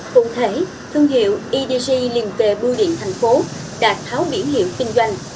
cụ thể thương hiệu edg liên kề bưu điện tp hcm đạt tháo biển hiệu kinh doanh